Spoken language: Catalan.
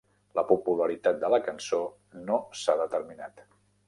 La popularitat de la cançó no s'ha determinat.